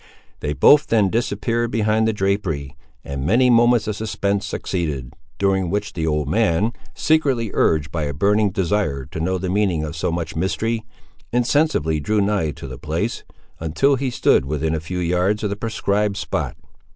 They both then disappeared behind the drapery, and many moments of suspense succeeded, during which the old man, secretly urged by a burning desire to know the meaning of so much mystery, insensibly drew nigh to the place, until he stood within a few yards of the proscribed spot.